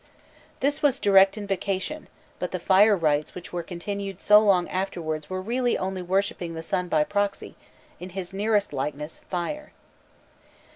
This was direct invocation, but the fire rites which were continued so long afterwards were really only worshipping the sun by proxy, in his nearest likeness, fire.